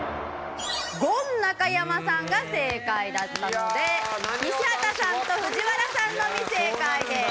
ゴン中山さんが正解だったので西畑さんと藤原さんのみ正解です。